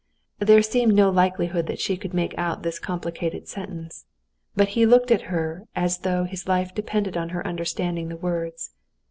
There seemed no likelihood that she could make out this complicated sentence; but he looked at her as though his life depended on her understanding the words.